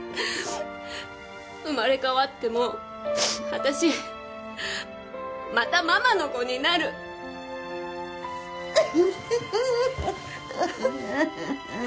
生まれ変わっても私またママの子になる！ともちゃん。